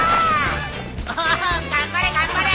お頑張れ頑張れ！